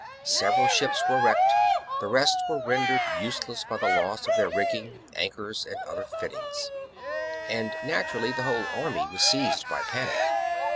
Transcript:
Several ships were wrecked ; the rest were rendered useless by the loss of their rigging, anchors, and other fittings ; and naturally the whole army was seized by panic.